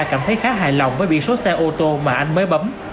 cảm thấy khá hài lòng với biển số xe ô tô mà anh mới bấm